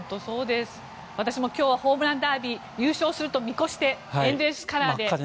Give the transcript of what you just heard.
私も今日はホームランダービー優勝すると見越してエンゼルスカラーで。